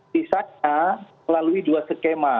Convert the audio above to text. sisanya melalui dua skema